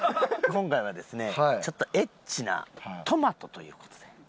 今回はですねちょっとエッチなトマトという事で。